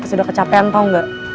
pasti udah kecapean tau gak